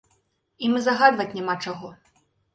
Ім і загадваць няма чаго.